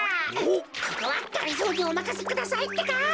ここはがりぞーにおまかせくださいってか。